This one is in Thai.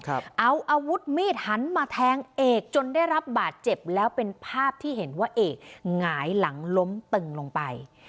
เอาอาวุธมีดหันมาแทงเอกจนได้รับบาดเจ็บแล้วเป็นภาพที่เห็นว่าเอกหงายหลังล้มตึงลงไป